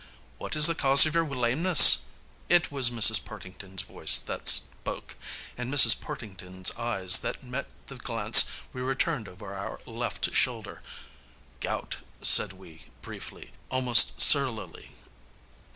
"What is the cause of your lameness?" It was Mrs. Partington's voice that spoke, and Mrs. Partington's eyes that met the glance we returned over our left shoulder. "Gout," said we, briefly, almost surlily.